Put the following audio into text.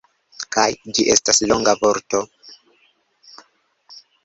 Kaj... ĝi estas longa vorto.